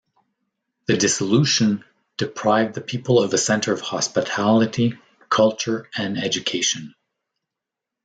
The dissolution deprived the people of a centre of hospitality, culture and education.